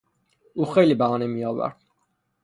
او خیلی بهانه میآورد.